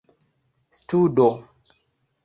studo